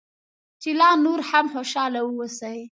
چې لا نور هم خوشاله واوسې.